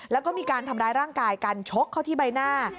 แล้วก็มีการทำร้ายร่างกายกันชกเข้าที่ใบหน้า